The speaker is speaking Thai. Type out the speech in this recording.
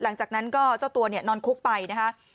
หลังจากนั้นก็เจ้าตัวนอนคุกไปนะครับ